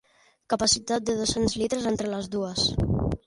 Capacitat de dos-cents litres entre les dues.